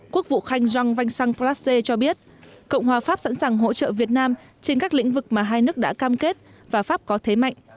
quốc vụ khanh giang văn sang prasse cho biết cộng hòa pháp sẵn sàng hỗ trợ việt nam trên các lĩnh vực mà hai nước đã cam kết và pháp có thế mạnh